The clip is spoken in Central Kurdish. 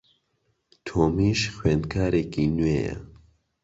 تۆمیش خوێندکارێکی نوێیە.